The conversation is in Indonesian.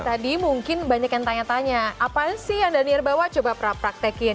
tadi mungkin banyak yang tanya tanya apa sih yang daniel bawa coba praktekin